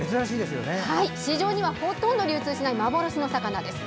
市場にはほとんど流通しない幻の魚です。